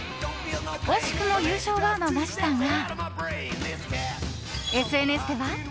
惜しくも優勝は逃したがＳＮＳでは。